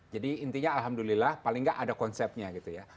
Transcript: jadi intinya alhamdulillah paling tidak ada konsepnya gitu ya